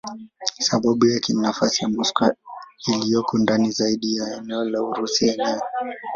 Sababu yake ni nafasi ya Moscow iliyoko ndani zaidi ya eneo la Urusi yenyewe.